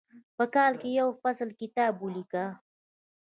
په کال کې یو مفصل کتاب ولیکه.